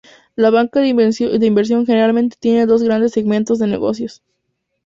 La banca de inversión generalmente tiene dos grandes segmentos de negocios.